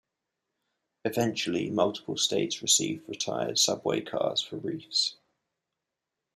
Eventually, multiple states received retired subway cars for reefs.